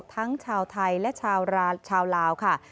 ทั้งชาวไทยและชาวลาวค่ะ